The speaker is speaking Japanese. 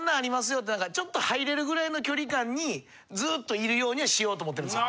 よってちょっと入れるぐらいの距離感にずっといるようにはしようと思ってるんです。